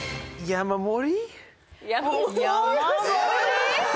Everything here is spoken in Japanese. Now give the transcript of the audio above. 山盛り？